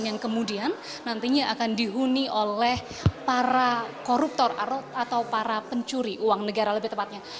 yang kemudian nantinya akan dihuni oleh para koruptor atau para pencuri uang negara lebih tepatnya